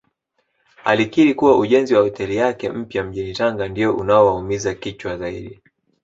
Alikiri kuwa ujenzi wa hoteli yake mpya mjini Tanga ndio unaomuumiza kichwa zaidi